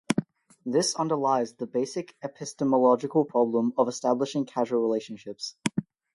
This underlies the basic epistemological problem of establishing causal relationships.